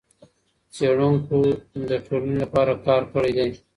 څېړونکو د ټولني لپاره کار کړئ دئ.